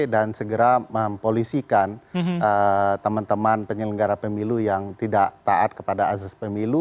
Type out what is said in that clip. dan segera mempolisikan teman teman penyelenggara pemilu yang tidak taat kepada asas pemilu